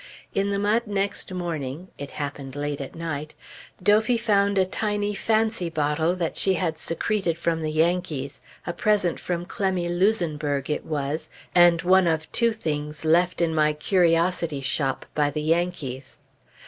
In the mud next morning (it happened late at night), Dophy found a tiny fancy bottle that she had secreted from the Yankees; a present from Clemmy Luzenberg, it was, and one of two things left in my curiosity shop by the Yankees.